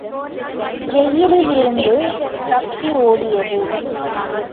ஜெயிலிலிருந்து தப்பி ஓடியது.